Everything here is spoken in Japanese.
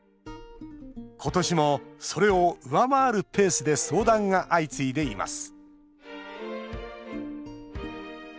今年も、それを上回るペースで相談が相次いでいます